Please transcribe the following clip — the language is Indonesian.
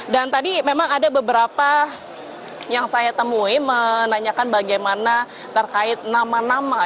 dan tadi memang ada beberapa yang saya temui menanyakan bagaimana terkait nama nama